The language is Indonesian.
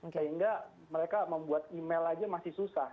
sehingga mereka membuat email aja masih susah